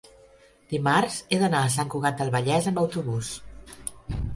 dimarts he d'anar a Sant Cugat del Vallès amb autobús.